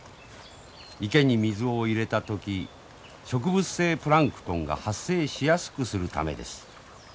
池に水を入れた時植物性プランクトンが発生しやすくするためです。